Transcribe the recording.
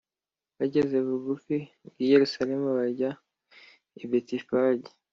Bageze bugufi bw i Yerusalemu bajya i Betifage